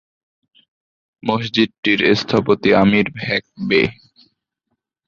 মসজিদটির স্থপতি আমির হ্যাক বে।